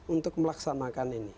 untuk melaksanakan ini